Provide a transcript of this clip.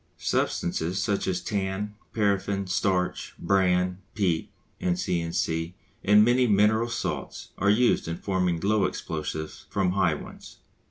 Substances such as tan, paraffin, starch, bran, peat, &c., &c., and many mineral salts, are used in forming low explosives from high ones.